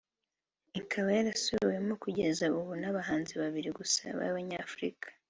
ikaba yarasubiwemo kugeza ubu n’abahanzi babiri gusa babanyafurika